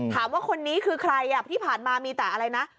ถามว่าคนนี้คือใครที่ผ่านมามีแต่อะไรนะ